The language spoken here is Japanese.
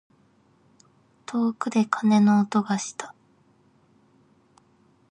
遠くで鐘の音がした。